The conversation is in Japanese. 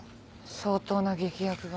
相当な劇薬が？